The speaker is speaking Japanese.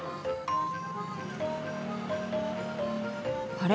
あれ？